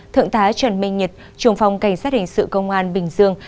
thượng tá trần minh nhật trường phòng cảnh sát hình sự công an bình dương